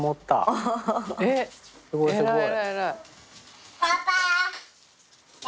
すごいすごい。